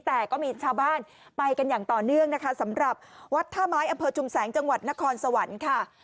แต่ก็มีชาวบ้านไปกันอย่างต่อเนื่องนะคะสำหรับวัดท่าไม้อำเภอชุมแสงจังหวัดนครสวรรค์ค่ะ